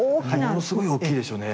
ものすごい大きいでしょうね。